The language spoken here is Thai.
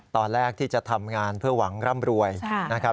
ตอนแรกที่จะทำงานเพื่อหวังร่ำรวยนะครับ